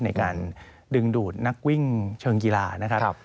ในการดึงดูดนักวิ่งเชิงกีฬานะครับ